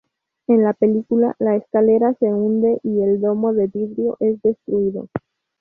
En la película, la escalera se hunde y el domo de vidrio es destruido.